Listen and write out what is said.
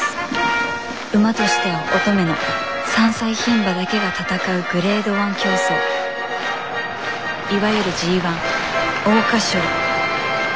馬としては乙女の３歳牝馬だけが戦うグレードⅠ競走いわゆるＧⅠ桜花賞。